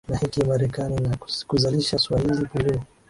na hiki marekani na kuzalisha swahili blue